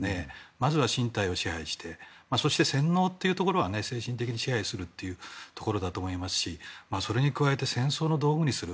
まずは身体を支配してそして、洗脳というところは精神的に支配するというところだと思いますしそれに加えて戦争の道具にする。